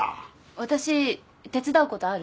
私手伝うことある？